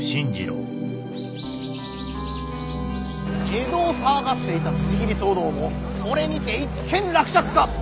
江戸を騒がせていた辻斬り騒動もこれにて一件落着か。